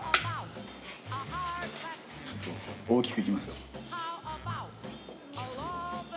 ちょっと大きく行きますよ。